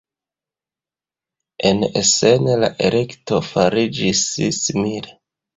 En Essen la elekto fariĝis simile.